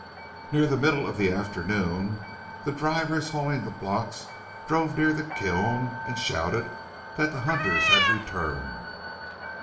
Near the middle of the afternoon, the drivers hauling the blocks drove near the kiln and shouted that the hunters had returned.